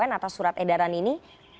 tentang surat edaran ini